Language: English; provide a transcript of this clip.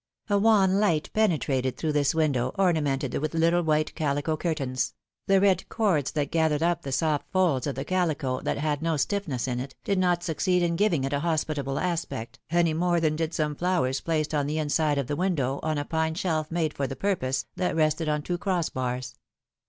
A wan light penetrated through this win dow, ornamented with little white calico curtains; the red cords that gathered up the soft folds of tiie calico, that had no stiffness in it, did not succeed in giving it a hospit able aspect, any more than did some flowers placed on the inside of the window on a pine shelf made for the purpose, that rested on two cross bars.